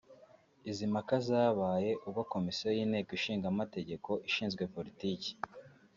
Izi mpaka zabaye ubwo Komisiyo y’Inteko Ishinga Amategeko ishinzwe Politiki